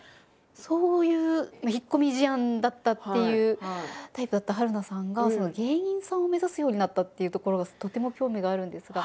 そういう引っ込み思案だったっていうタイプだった春菜さんが芸人さんを目指すようになったっていうところがとても興味があるんですが。